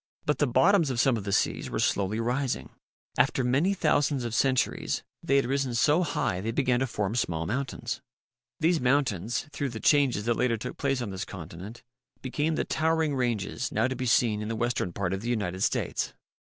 But the bottoms of some of the seas were slowly rising. After many thousands of centuries, they had risen so high they began to form small mountains. These mountains, through the changes that later took place on this continent, became the towering ranges 94 MIGHTY ANIMALS now to be seen in the western part of the United States.